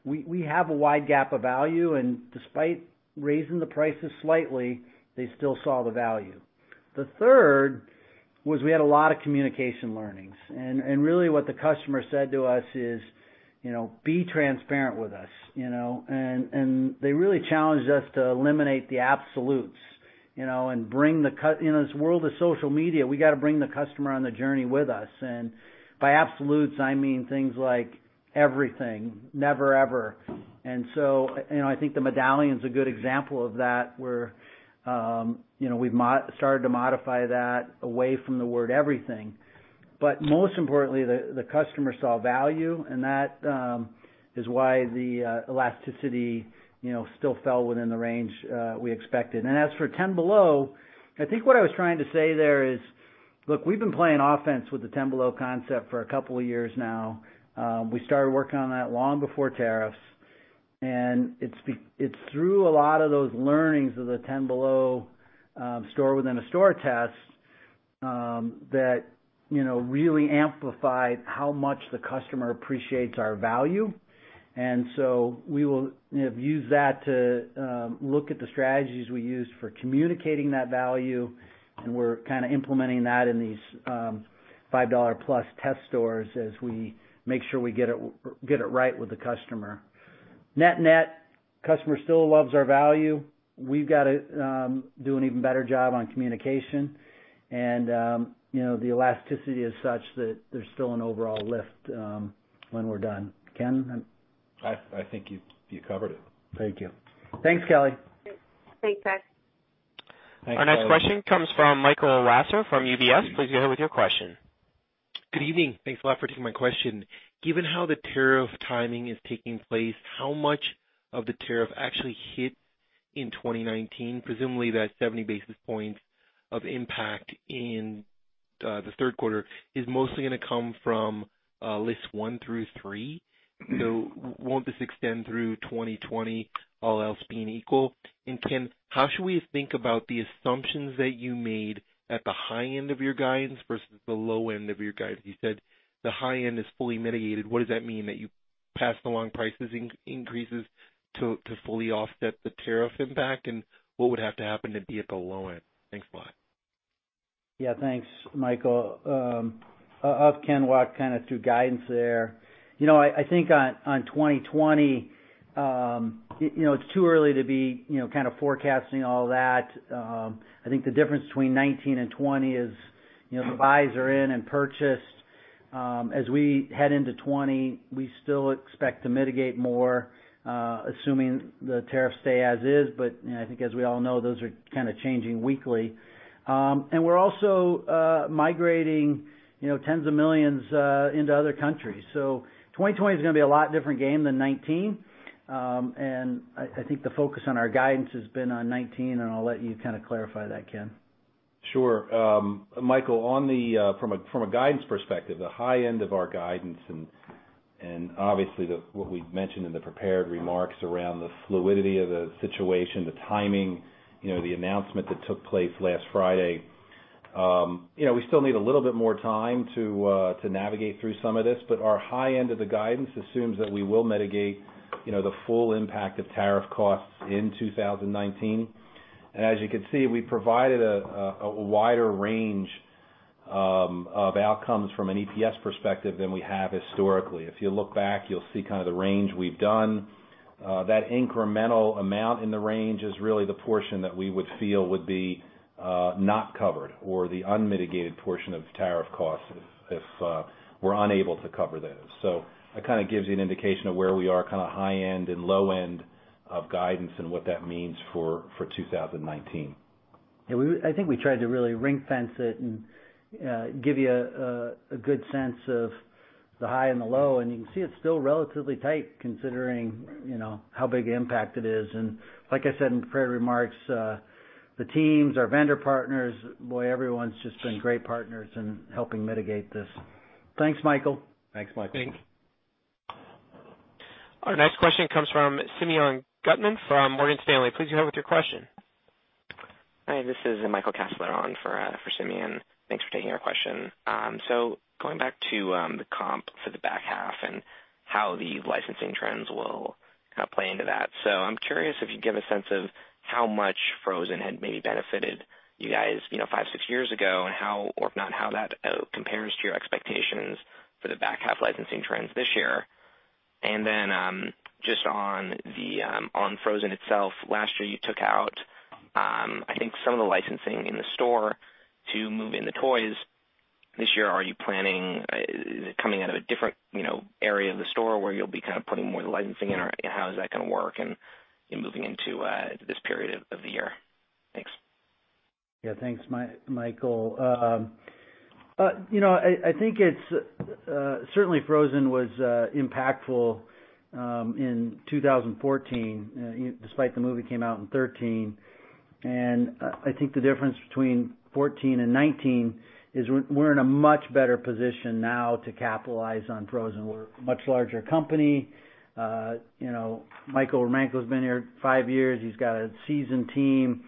We have a wide gap of value. Despite raising the prices slightly, they still saw the value. The third was we had a lot of communication learnings. What the customer said to us is, "Be transparent with us." They really challenged us to eliminate the absolutes and bring the world of social media. We got to bring the customer on the journey with us. By absolutes, I mean things like everything, never, ever. I think the medallion is a good example of that where we've started to modify that away from the word everything. Most importantly, the customer saw value. That is why the elasticity still fell within the range we expected. As for ten below, I think what I was trying to say there is, look, we've been playing offense with the ten below concept for a couple of years now. We started working on that long before tariffs. It is through a lot of those learnings of the ten below store within a store test that really amplified how much the customer appreciates our value. We will use that to look at the strategies we used for communicating that value. We're kind of implementing that in these $5 plus test stores as we make sure we get it right with the customer. Net net, customer still loves our value. We've got to do an even better job on communication. The elasticity is such that there's still an overall lift when we're done. Ken. I think you covered it. Thank you. Thanks, Kelly. Thanks, guys. Our next question comes from Michael Lasser from UBS. Please go ahead with your question. Good evening. Thanks a lot for taking my question. Given how the tariff timing is taking place, how much of the tariff actually hit in 2019, presumably that 70 basis points of impact in the third quarter is mostly going to come from list one through three. Won't this extend through 2020, all else being equal? Ken, how should we think about the assumptions that you made at the high end of your guidance versus the low end of your guidance? You said the high end is fully mitigated. What does that mean? That you passed along price increases to fully offset the tariff impact? What would have to happen to be at the low end? Thanks a lot. Yeah. Thanks, Michael. Ken walked kind of through guidance there. I think on 2020, it's too early to be kind of forecasting all that. I think the difference between 2019 and 2020 is the buys are in and purchased. As we head into 2020, we still expect to mitigate more, assuming the tariffs stay as is. I think as we all know, those are kind of changing weekly. We're also migrating tens of millions into other countries. 2020 is going to be a lot different game than 2019. I think the focus on our guidance has been on 2019. I'll let you kind of clarify that, Ken. Sure. Michael, from a guidance perspective, the high end of our guidance and obviously what we've mentioned in the prepared remarks around the fluidity of the situation, the timing, the announcement that took place last Friday, we still need a little bit more time to navigate through some of this. Our high end of the guidance assumes that we will mitigate the full impact of tariff costs in 2019. As you can see, we provided a wider range of outcomes from an EPS perspective than we have historically. If you look back, you'll see kind of the range we've done. That incremental amount in the range is really the portion that we would feel would be not covered or the unmitigated portion of tariff costs if we're unable to cover those. It kind of gives you an indication of where we are, kind of high end and low end of guidance and what that means for 2019. Yeah. I think we tried to really ring-fence it and give you a good sense of the high and the low. You can see it's still relatively tight considering how big an impact it is. Like I said in prepared remarks, the teams, our vendor partners, boy, everyone's just been great partners in helping mitigate this. Thanks, Michael. Thanks. Thanks Michael. Our next question comes from Simeon Gutman from Morgan Stanley. Please go ahead with your question. Hi. This is Michael Kessler on for Simeon. Thanks for taking our question. Going back to the comp for the back half and how the licensing trends will kind of play into that. I'm curious if you can give a sense of how much Frozen had maybe benefited you guys five, six years ago and how, or if not how, that compares to your expectations for the back half licensing trends this year. Just on Frozen itself, last year you took out, I think, some of the licensing in the store to move in the toys. This year, are you planning coming out of a different area of the store where you'll be kind of putting more of the licensing in? How is that going to work in moving into this period of the year? Thanks. Yeah. Thanks, Michael. I think it's certainly Frozen was impactful in 2014, despite the movie came out in 2013. I think the difference between 2014 and 2019 is we're in a much better position now to capitalize on Frozen. We're a much larger company. Michael Romanko has been here five years. He's got a seasoned team.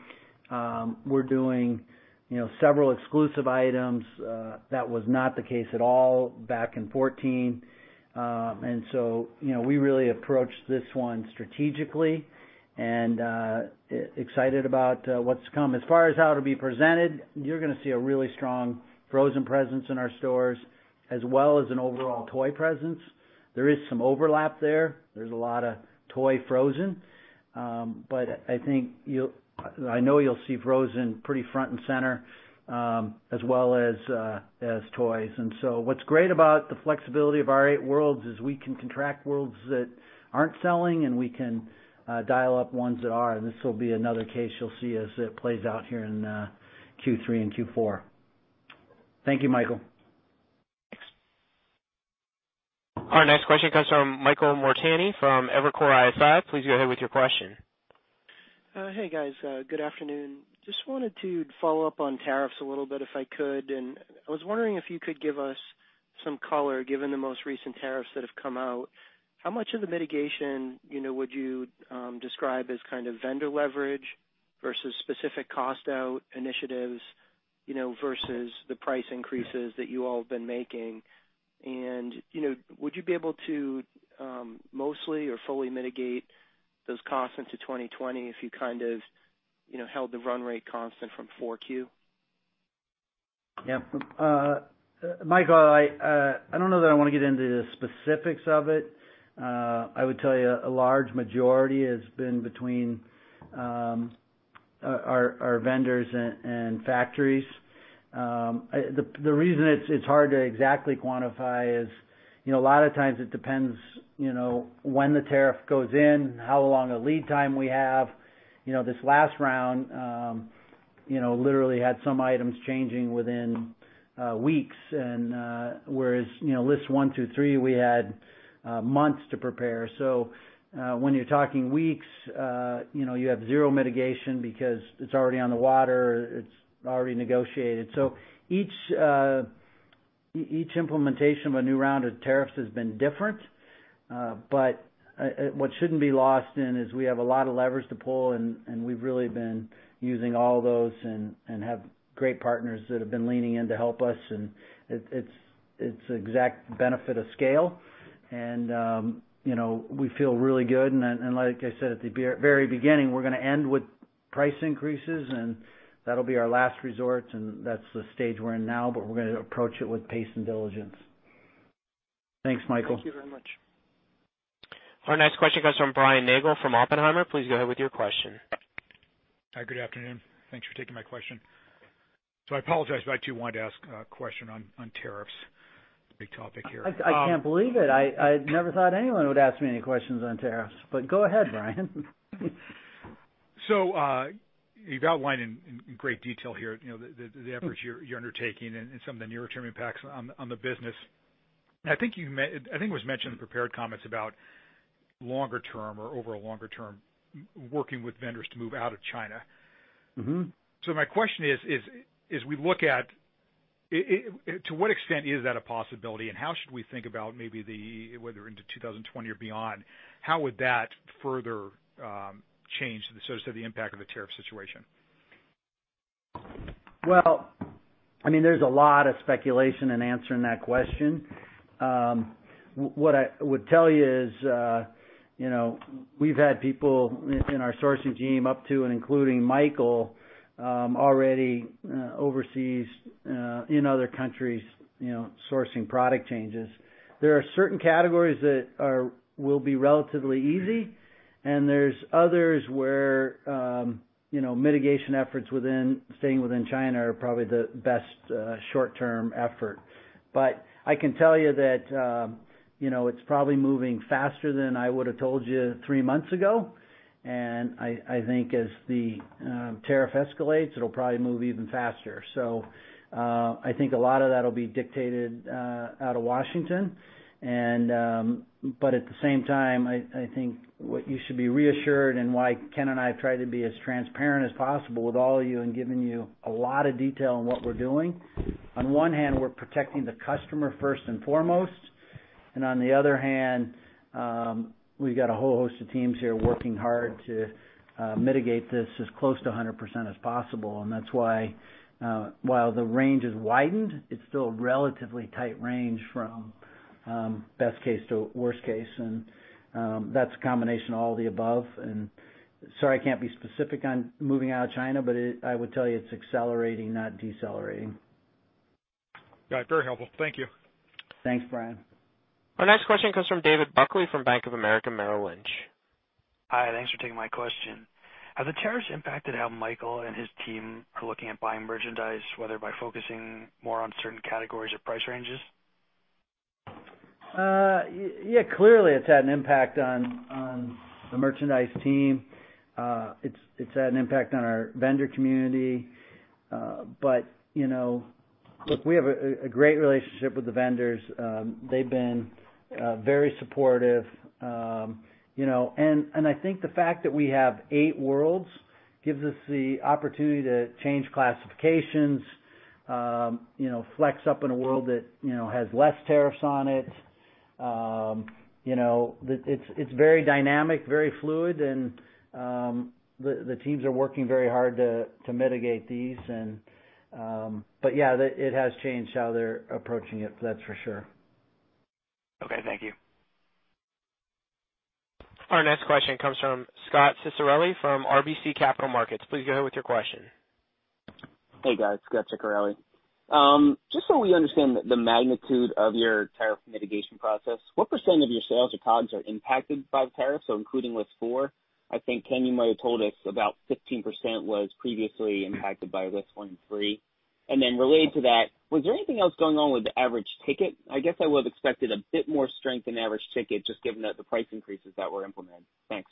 We're doing several exclusive items. That was not the case at all back in 2014. I think we really approached this one strategically and excited about what's to come. As far as how it'll be presented, you're going to see a really strong Frozen presence in our stores as well as an overall toy presence. There is some overlap there. There's a lot of toy Frozen. I know you'll see Frozen pretty front and center as well as toys. What is great about the flexibility of our eight worlds is we can contract worlds that are not selling, and we can dial up ones that are. This will be another case you will see as it plays out here in Q3 and Q4. Thank you, Michael. Thanks. Our next question comes from Michael Montani from Evercore ISI. Please go ahead with your question. Hey, guys. Good afternoon. Just wanted to follow up on tariffs a little bit if I could. I was wondering if you could give us some color given the most recent tariffs that have come out. How much of the mitigation would you describe as kind of vendor leverage versus specific cost-out initiatives versus the price increases that you all have been making? Would you be able to mostly or fully mitigate those costs into 2020 if you kind of held the run rate constant from 4Q? Yeah. Michael, I do not know that I want to get into the specifics of it. I would tell you a large majority has been between our vendors and factories. The reason it is hard to exactly quantify is a lot of times it depends when the tariff goes in, how long a lead time we have. This last round literally had some items changing within weeks. Whereas list one, two, three, we had months to prepare. When you are talking weeks, you have zero mitigation because it is already on the water. It is already negotiated. Each implementation of a new round of tariffs has been different. What should not be lost is we have a lot of levers to pull. We have really been using all those and have great partners that have been leaning in to help us. It is exact benefit of scale. We feel really good. Like I said at the very beginning, we're going to end with price increases. That'll be our last resort. That's the stage we're in now. We're going to approach it with pace and diligence. Thanks, Michael. Thank you very much. Our next question comes from Brian Nagel from Oppenheimer. Please go ahead with your question. Hi. Good afternoon. Thanks for taking my question. I apologize if I too wanted to ask a question on tariffs. Big topic here. I can't believe it. I never thought anyone would ask me any questions on tariffs. Go ahead, Brian. You've outlined in great detail here the efforts you're undertaking and some of the near-term impacts on the business. I think it was mentioned in the prepared comments about longer term or over a longer term working with vendors to move out of China. My question is, as we look at to what extent is that a possibility? How should we think about maybe the whether into 2020 or beyond, how would that further change the impact of the tariff situation? I mean, there's a lot of speculation in answering that question. What I would tell you is we've had people in our sourcing team up to and including Michael already overseas in other countries sourcing product changes. There are certain categories that will be relatively easy. And there's others where mitigation efforts within staying within China are probably the best short-term effort. I can tell you that it's probably moving faster than I would have told you three months ago. I think as the tariff escalates, it'll probably move even faster. I think a lot of that will be dictated out of Washington. At the same time, I think what you should be reassured and why Ken and I have tried to be as transparent as possible with all of you and given you a lot of detail in what we're doing. On one hand, we're protecting the customer first and foremost. On the other hand, we've got a whole host of teams here working hard to mitigate this as close to 100% as possible. That is why while the range is widened, it's still a relatively tight range from best case to worst case. That is a combination of all the above. Sorry, I can't be specific on moving out of China, but I would tell you it's accelerating, not decelerating. All right. Very helpful. Thank you. Thanks, Brian. Our next question comes from David Buckley from Bank of America Merrill Lynch. Hi. Thanks for taking my question. Has the tariffs impacted how Michael and his team are looking at buying merchandise, whether by focusing more on certain categories or price ranges? Yeah. Clearly, it's had an impact on the merchandise team. It's had an impact on our vendor community. Look, we have a great relationship with the vendors. They've been very supportive. I think the fact that we have eight worlds gives us the opportunity to change classifications, flex up in a world that has less tariffs on it. It's very dynamic, very fluid. The teams are working very hard to mitigate these. Yeah, it has changed how they're approaching it, that's for sure. Okay. Thank you. Our next question comes from Scot Ciccarelli from RBC Capital Markets. Please go ahead with your question. Hey, guys. Scot Ciccarelli. Just so we understand the magnitude of your tariff mitigation process, what percent of your sales or COGS are impacted by the tariffs? Including list four, I think Ken, you might have told us about 15% was previously impacted by list one and three. Related to that, was there anything else going on with the average ticket? I guess I would have expected a bit more strength in the average ticket just given the price increases that were implemented. Thanks.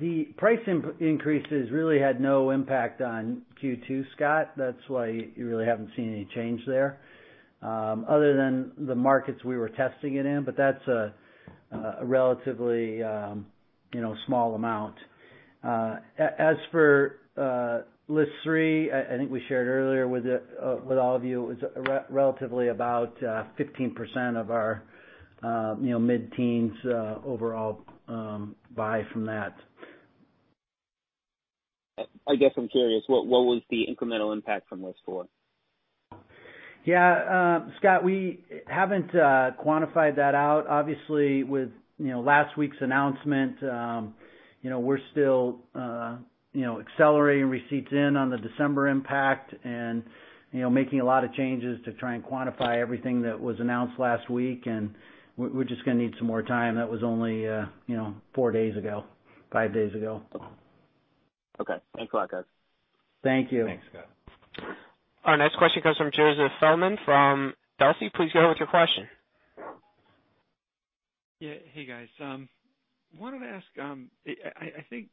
The price increases really had no impact on Q2, Scott. That is why you really have not seen any change there other than the markets we were testing it in. That is a relatively small amount. As for list three, I think we shared earlier with all of you, it was relatively about 15% of our mid-teens overall buy from that. I guess I'm curious, what was the incremental impact from list four? Yeah. Scott, we have not quantified that out. Obviously, with last week's announcement, we are still accelerating receipts in on the December impact and making a lot of changes to try and quantify everything that was announced last week. We are just going to need some more time. That was only four days ago, five days ago. Okay. Thanks a lot, guys. Thank you. Thanks, Scot. Our next question comes from Joe Feldman from Telsey. Please go ahead with your question. Yeah. Hey, guys. I wanted to ask, I think,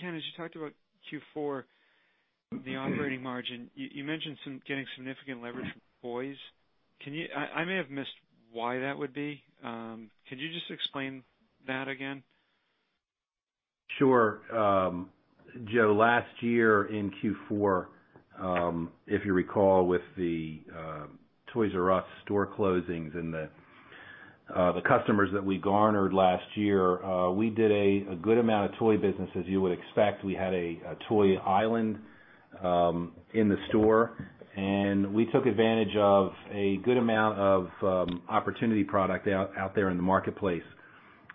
Ken, as you talked about Q4, the operating margin, you mentioned getting significant leverage from toys. I may have missed why that would be. Could you just explain that again? Sure. Joe, last year in Q4, if you recall, with the Toys "R" Us store closings and the customers that we garnered last year, we did a good amount of toy business as you would expect. We had a toy island in the store. We took advantage of a good amount of opportunity product out there in the marketplace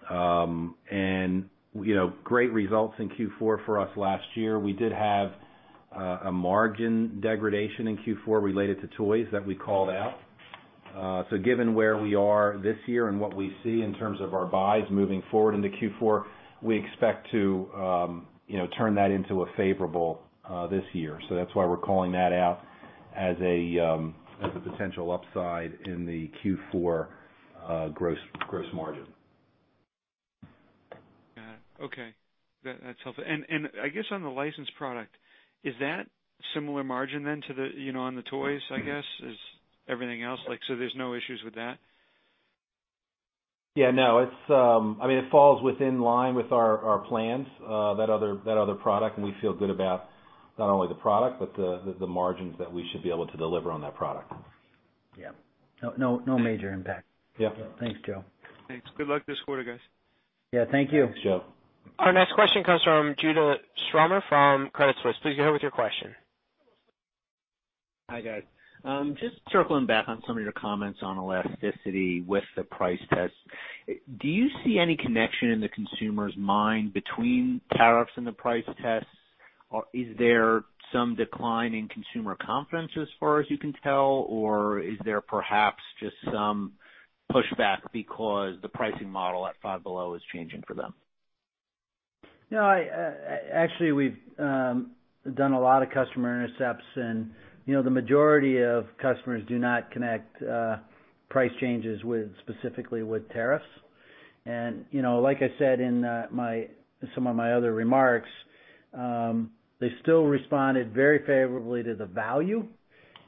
and great results in Q4 for us last year. We did have a margin degradation in Q4 related to toys that we called out. Given where we are this year and what we see in terms of our buys moving forward into Q4, we expect to turn that into a favorable this year. That is why we are calling that out as a potential upside in the Q4 gross margin. Got it. Okay. That's helpful. I guess on the licensed product, is that similar margin then to the on the toys, I guess, is everything else? There is no issues with that? Yeah. No. I mean, it falls within line with our plans, that other product. And we feel good about not only the product but the margins that we should be able to deliver on that product. No major impact. Thanks, Joe. Thanks. Good luck this quarter, guys. Yeah. Thank you. Thanks, Joe. Our next question comes from Judah Frommer from Credit Suisse. Please go ahead with your question. Hi, guys. Just circling back on some of your comments on elasticity with the price test. Do you see any connection in the consumer's mind between tariffs and the price tests? Is there some decline in consumer confidence as far as you can tell? Or is there perhaps just some pushback because the pricing model at Five Below is changing for them? No. Actually, we've done a lot of customer intercepts. The majority of customers do not connect price changes specifically with tariffs. Like I said in some of my other remarks, they still responded very favorably to the value.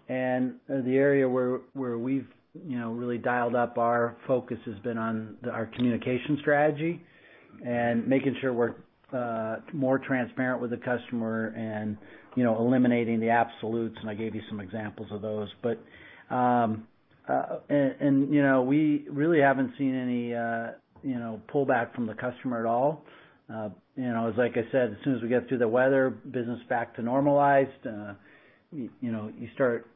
The area where we've really dialed up our focus has been on our communication strategy and making sure we're more transparent with the customer and eliminating the absolutes. I gave you some examples of those. We really haven't seen any pullback from the customer at all. As I said, as soon as we get through the weather, business back to normalized, you start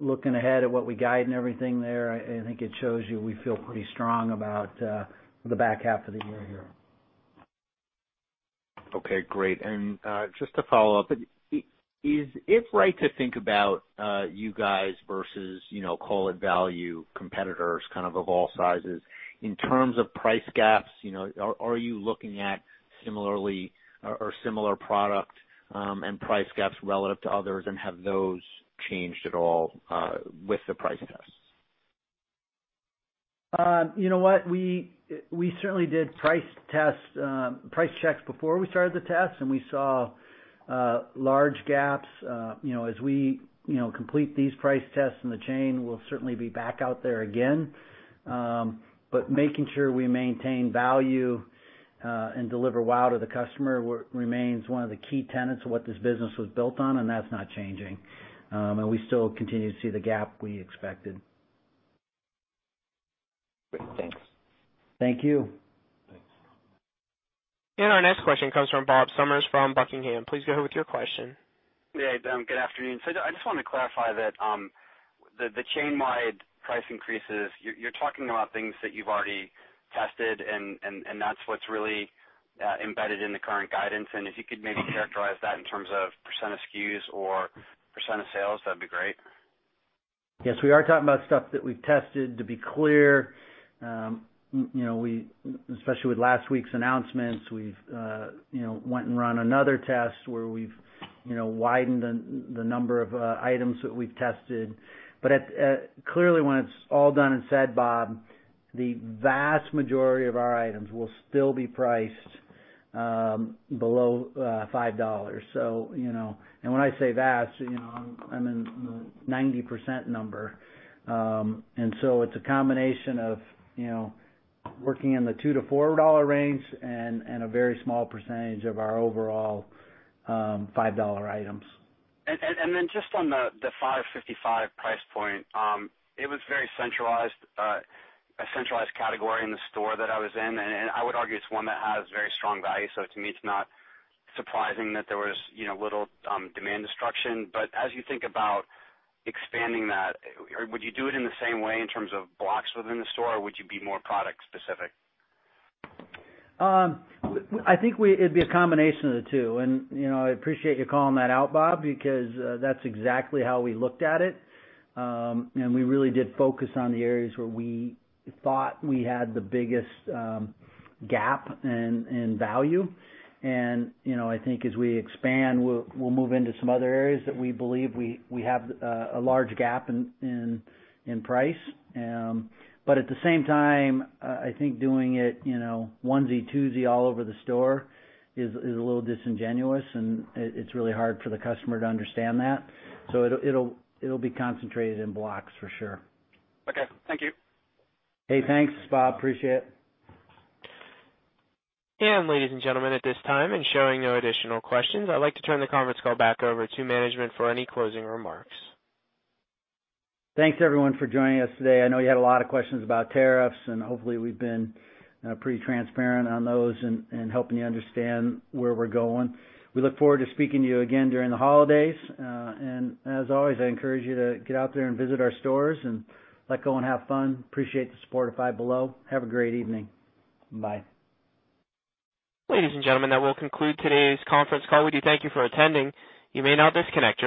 looking ahead at what we guide and everything there. I think it shows you we feel pretty strong about the back half of the year here. Okay. Great. Just to follow up, is it right to think about you guys versus call-it-value competitors kind of of all sizes in terms of price gaps? Are you looking at similarly or similar product and price gaps relative to others? Have those changed at all with the price tests? You know what? We certainly did price checks before we started the tests. We saw large gaps. As we complete these price tests in the chain, we'll certainly be back out there again. Making sure we maintain value and deliver well to the customer remains one of the key tenets of what this business was built on. That is not changing. We still continue to see the gap we expected. Great. Thanks. Thank you. Our next question comes from Bob Summers from Buckingham. Please go ahead with your question. Hey, Dan. Good afternoon. I just wanted to clarify that the chain-wide price increases, you're talking about things that you've already tested. That's what's really embedded in the current guidance. If you could maybe characterize that in terms of % of SKUs or % of sales, that'd be great. Yes. We are talking about stuff that we've tested. To be clear, especially with last week's announcements, we've went and run another test where we've widened the number of items that we've tested. Clearly, when it's all done and said, Bob, the vast majority of our items will still be priced below $5. When I say vast, I'm in the 90% number. It is a combination of working in the $2-$4 range and a very small percentage of our overall $5 items. On the $5.55 price point, it was a very centralized category in the store that I was in. I would argue it is one that has very strong value. To me, it is not surprising that there was little demand destruction. As you think about expanding that, would you do it in the same way in terms of blocks within the store? Or would you be more product-specific? I think it'd be a combination of the two. I appreciate you calling that out, Bob, because that's exactly how we looked at it. We really did focus on the areas where we thought we had the biggest gap in value. I think as we expand, we'll move into some other areas that we believe we have a large gap in price. At the same time, I think doing it onesie, twosie all over the store is a little disingenuous. It's really hard for the customer to understand that. It'll be concentrated in blocks for sure. Okay. Thank you. Hey, thanks, Bob. Appreciate it. Ladies and gentlemen, at this time, and showing no additional questions, I'd like to turn the conference call back over to management for any closing remarks. Thanks, everyone, for joining us today. I know you had a lot of questions about tariffs. Hopefully, we've been pretty transparent on those and helping you understand where we're going. We look forward to speaking to you again during the holidays. As always, I encourage you to get out there and visit our stores and let go and have fun. Appreciate the support of Five Below. Have a great evening. Bye. Ladies and gentlemen, that will conclude today's conference call. We do thank you for attending. You may now disconnect.